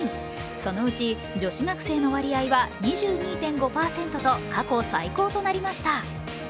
そのうち女子学生の割合は２２．５％と過去最高となりました。